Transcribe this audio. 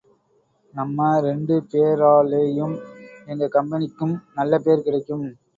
நம்ப ரெண்டு பேராலேயும் எங்க கம்பெனிக்கும் நல்ல பேர் கிடைக்கும்.